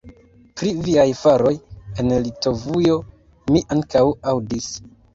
Pri viaj faroj en Litovujo mi ankaŭ aŭdis!